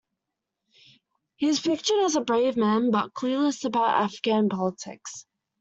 He is pictured as a brave man, but clueless about Afghan politics.